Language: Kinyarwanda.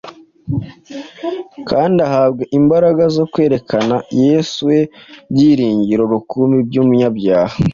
kandi ahabwa imbaraga zo kwerekana Yesu we byiringiro rukumbi by’umunyabyaha.